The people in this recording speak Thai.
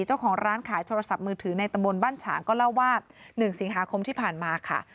เจ้าของร้านขายโทรศัพท์มือถือในตำบลบ้านฉางก็เล่าว่า๑สิงหาคมที่ผ่านมาค่ะ